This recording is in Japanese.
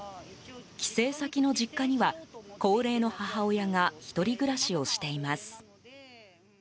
帰省先の実家には、高齢の母親が１人暮らしをしています。